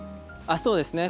あっそうですね。